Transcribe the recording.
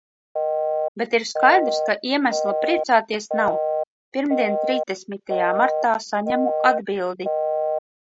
Bet ir skaidrs, ka iemesla priecāties nav. Pirmdien, trīsdesmitajā martā, saņemu atbildi.